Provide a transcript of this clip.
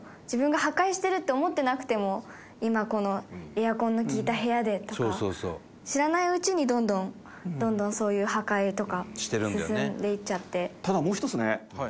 自分が破壊してるって思ってなくても今このエアコンの効いた部屋でとか知らないうちにどんどんどんどんそういう破壊とか進んでいっちゃって。